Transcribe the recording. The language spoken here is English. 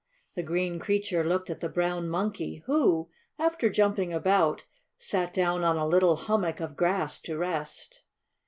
The green creature looked at the brown Monkey, who, after jumping about, sat down on a little hummock of grass to rest.